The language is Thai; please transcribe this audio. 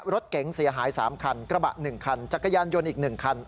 รถเก๋งเสียหาย๓คันกระบะ๑คันจักรยานยนต์อีก๑คัน